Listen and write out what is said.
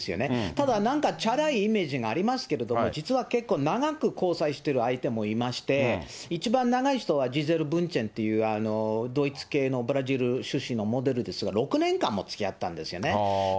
ただなんかチャラいイメージがありますけれども、実は結構長く交際してる相手もいまして、一番長い人はディゼル・ブンチェンというドイツ系のブラジル出身のモデルですが、６年間もつきあったんですよね。